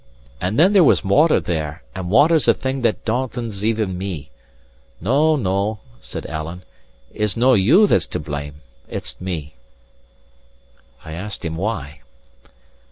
And then there was water there, and water's a thing that dauntons even me. No, no," said Alan, "it's no you that's to blame, it's me." I asked him why.